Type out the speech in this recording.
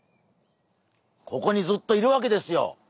ここにずっといるわけですよ。